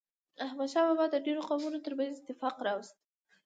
احمد شاه بابا د ډیرو قومونو ترمنځ اتفاق راوست.